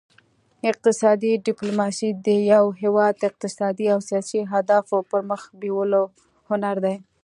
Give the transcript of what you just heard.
اقتصادي ډیپلوماسي د یو هیواد اقتصادي او سیاسي اهدافو پرمخ بیولو هنر دی